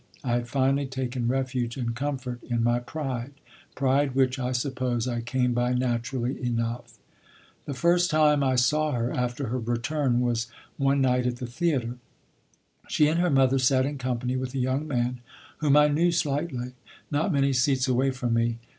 I had finally taken refuge and comfort in my pride, pride which, I suppose, I came by naturally enough. The first time I saw her after her return was one night at the theatre. She and her mother sat in company with a young man whom I knew slightly, not many seats away from me.